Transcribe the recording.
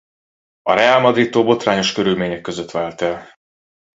A Real Madridtól botrányos körülmények között vált el.